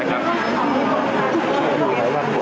กลับมาบิน